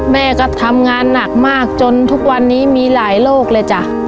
แม่ก็ทำงานหนักมากจนทุกวันนี้มีหลายโรคเลยจ้ะ